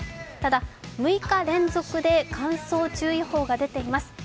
ただ６日連続で乾燥注意報が出ています。